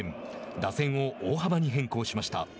打線を大幅に変更しました。